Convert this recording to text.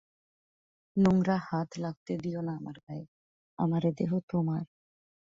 নোংরা হাত লাগতে দিয়ো না আমার গায়ে, আমার এ দেহ তোমার।